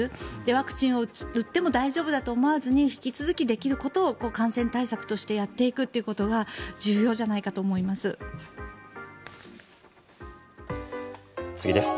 ワクチンを打っても大丈夫と思わずに引き続きできることを感染対策としてやっていくということが重要じゃないかと思います。